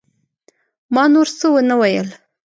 ما نور څه ونه ويل.